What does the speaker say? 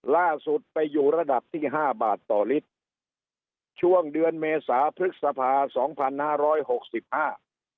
ล่าสุดไปอยู่ระดับที่ห้าบาทต่อลิตรช่วงเดือนเมษาพฤษภาสองพันห้าร้อยหกสิบห้า